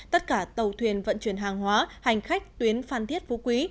tất cả tàu thuyền vận chuyển hàng hóa hành khách tuyến phan thiết phú quý